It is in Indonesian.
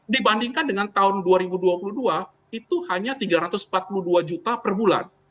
dibandingkan dengan tahun dua ribu dua puluh dua itu hanya tiga ratus empat puluh dua juta per bulan